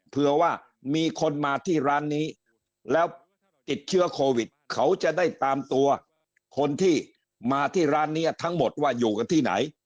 เผื่อว่ามีคนมาที่ร้านนี้แล้วติดเชื้อโควิดเขาจะได้ตามตัวคนที่มาที่ร้านนี้ทั้งหมดว่าอยู่กันที่ไหน